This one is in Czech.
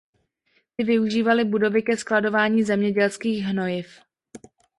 Ty využívaly budovy ke skladování zemědělských hnojiv.